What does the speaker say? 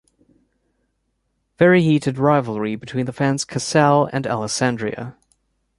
Very heated rivalry between the fans Casale and Alessandria.